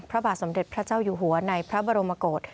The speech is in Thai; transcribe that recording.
พระบาทสมเด็จพระเจ้าอยู่หัวในพระบรมกฏ